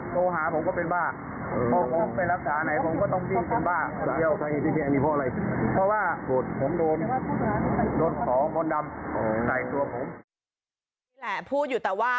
โตหาผมก็เป็นบ้า